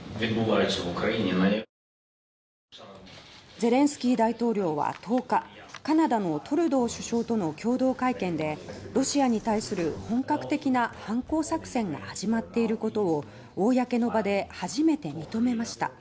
ゼレンスキー大統領は１０日カナダのトルドー首相との共同会見でロシアに対する本格的な反攻作戦が始まっていることを公の場で初めて認めました。